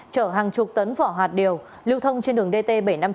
chở hàng chục tấn vỏ hạt điều lưu thông trên đường dt bảy trăm năm mươi chín